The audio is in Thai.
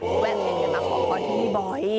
ผู้แม่เห็นกันมาขอค้อที่นี่บ่อย